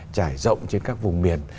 trải rộng trên các vùng miền